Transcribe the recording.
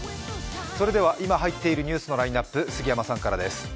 それでは今入っているニュースのラインナップ、杉山さんからです。